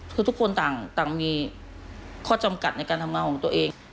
คือทุกคนต่างมีข้อจำกัดในการทำงานของตัวเอง